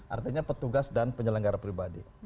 artinya petugas dan penyelenggara pribadi